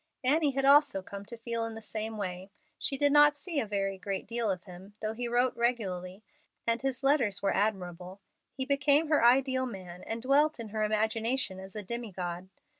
Annie had also come to feel in the same way. She did not see a very great deal of him, though he wrote regularly, and his letters were admirable. He became her ideal man and dwelt in her imagination as a demi god.